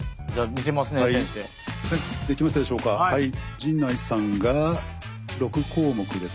陣内さんが６項目ですね。